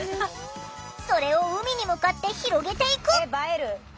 それを海に向かって広げていく！